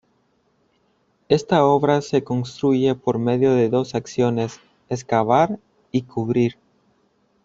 Esta obra se construye por medio de dos acciones: excavar y cubrir.